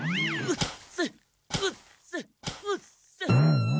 うっせ！